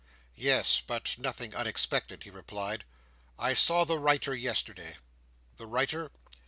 "Yes. But nothing unexpected," he replied. "I saw the writer yesterday." "The writer?"